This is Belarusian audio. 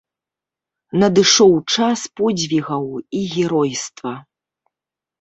Надышоў час подзвігаў і геройства.